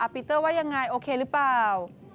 ปีเตอร์ว่ายังไงโอเคหรือเปล่า